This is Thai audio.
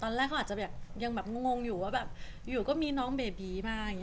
ตอนแรกเขาอาจจะอย่างงงอยู่ว่าอยู่ก็มีน้องเบบีมา